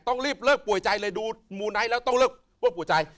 ต้องรีบเลิกป่วยใจเลยดูมูไนท์แล้วต้องเลิกวบหัวใจ